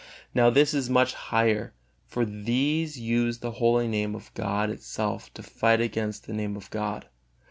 Now this is much higher, for these use the holy Name of God itself to fight against the Name of God.